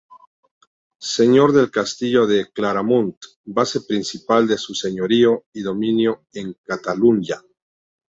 Señor del castillo de Claramunt, base principal de su señorío y dominio en Catalunya.